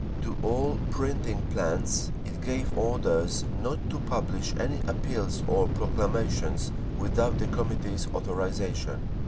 To all printing plants it gave orders not to publish any appeals or proclamations without the Committee's authorisation.